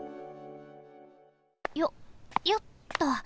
よっよっと。